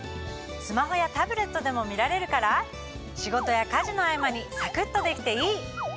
スマホやタブレットでも見られるから仕事や家事の合間にさくっとできていい！